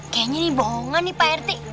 kayaknya ini bongan nih pak rt